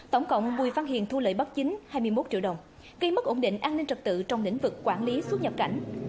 tổng cộng bùi văn hiền thu lợi bất chính hai mươi một triệu đồng gây mất ổn định an ninh trật tự trong lĩnh vực quản lý xuất nhập cảnh